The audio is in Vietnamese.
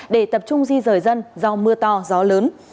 để tập trung di rời dân do mưa to gió lớn